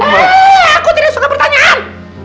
wah aku tidak suka pertanyaan